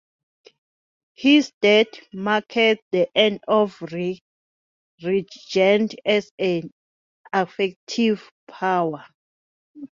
His death marked the end of Rheged as an effective power.